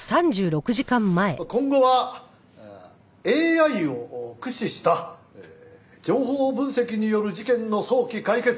今後はＡＩを駆使した情報分析による事件の早期解決